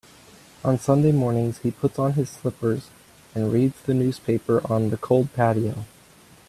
On Sunday mornings, he puts on his slippers and reads the newspaper on the cold patio.